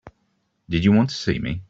Did you want to see me?